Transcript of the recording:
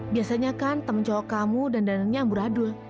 biasanya kan teman cowok kamu dandanannya amburadul